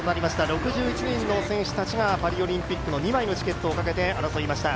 ６１人の選手たちがパリオリンピックの２枚のチケットをかけて争いました。